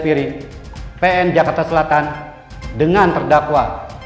pn jakarta selatan dengan terdakwa